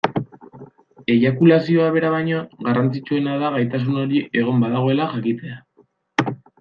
Eiakulazioa bera baino, garrantzitsuena da gaitasun hori egon badagoela jakitea.